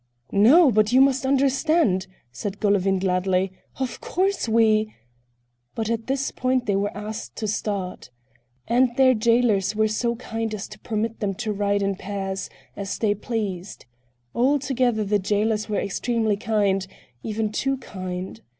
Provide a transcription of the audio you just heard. "No, but you must understand," said Golovin gladly. "Of course, we—" But at this point they were asked to start. And their jailers were so kind as to permit them to ride in pairs, as they pleased. Altogether the jailers were extremely kind; even too kind.